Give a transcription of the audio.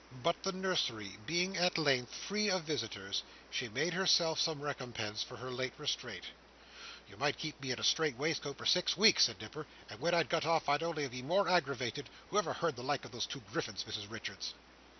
But the nursery being at length free of visitors, she made herself some recompense for her late restraint. "You might keep me in a strait waistcoat for six weeks," said Nipper, "and when I got it off I'd only be more aggravated, who ever heard the like of them two Griffins, Mrs Richards?"